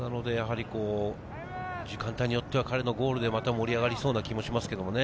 時間帯によっては、彼のゴールでまた盛り上がりそうな気もしますけどね。